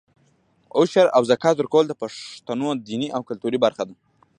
عشر او زکات ورکول د پښتنو دیني او کلتوري برخه ده.